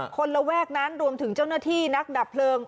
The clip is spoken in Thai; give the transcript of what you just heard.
ระแวกนั้นรวมถึงเจ้าหน้าที่นักดับเพลิง